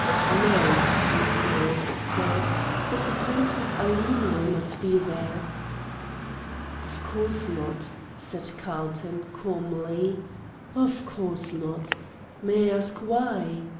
"No," Miss Morris said; "but the Princess Aline will not be there." "Of course not," said Carlton, calmly, "of course not. May I ask why?